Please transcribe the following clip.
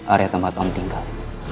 area tempat om tinggal